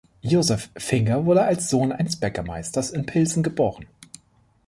Josef Finger wurde als Sohn eines Bäckermeisters in Pilsen geboren.